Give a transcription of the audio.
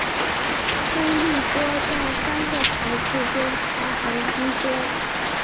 菲利波在三个孩子中排行居中。